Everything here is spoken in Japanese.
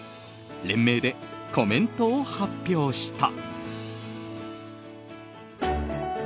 連名でコメントを発表した。